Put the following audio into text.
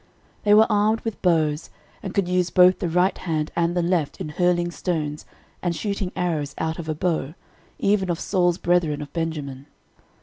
13:012:002 They were armed with bows, and could use both the right hand and the left in hurling stones and shooting arrows out of a bow, even of Saul's brethren of Benjamin.